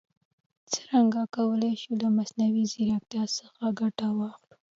څرنګه کولای شو له مصنوعي ځیرکتیا څخه ګټه واخلو؟